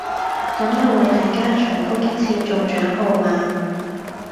等我為大家重覆一次中獎號碼